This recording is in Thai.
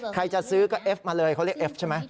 ใครจะซื้อก็เอฟมาเลยเขาเรียกเอฟใช่ไหม